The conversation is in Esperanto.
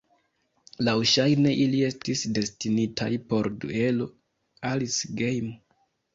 Laŭŝajne ili estis destinitaj por duelo "Alice Game".